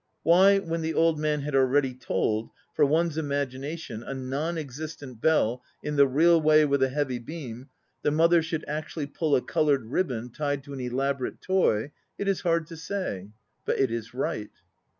Why, when the old man had already tolled, for one's imagina tion, a non existent bell in the real way with a heavy beam, the mother should actually pull a coloured ribbon tied to an elaborate toy, it is hard to say. But it is right.